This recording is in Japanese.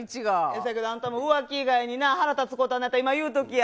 そやけど、あんたも浮気以外に腹立つことあるんやったら、今言うときや。